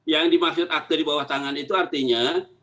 yang dimaksud akte di bawah tangan itu artinya